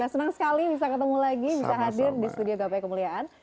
senang sekali bisa ketemu lagi bisa hadir di studio gapai kemuliaan